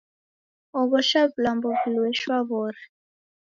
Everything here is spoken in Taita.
Oghosha vilambo vilue shwaw'ori